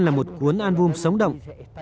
là một cuốn album sống động